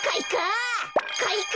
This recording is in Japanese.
かいか！